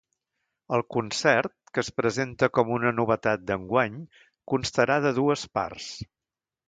El concert, que es presenta com una novetat d’enguany, constarà de dues parts.